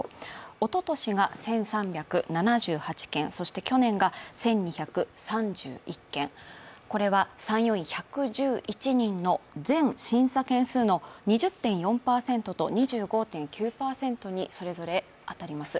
おととしが１３７８件、そして去年が１２３１件、これは参与員１１１人の全審査件数の２０．４％と２５．９％にそれぞれ当たります。